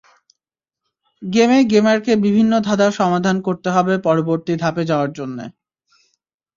গেমে গেমারকে বিভিন্ন ধাঁধার সমাধান করতে হবে পরবর্তী ধাপে যাওয়ার জন্য।